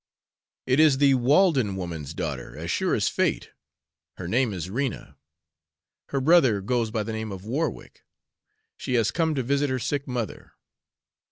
"It is the Walden woman's daughter, as sure as fate! Her name is Rena. Her brother goes by the name of Warwick. She has come to visit her sick mother.